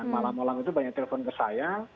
dan malam malam itu banyak telepon ke saya